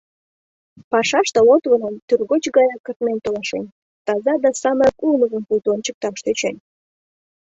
Пашаште Лотвонен тӱргоч гаяк кыртмен толашен, таза да самырык улмыжым пуйто ончыкташ тӧчен.